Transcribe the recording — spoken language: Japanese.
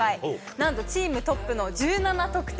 なんとチームトップの１７得点。